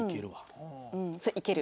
いける？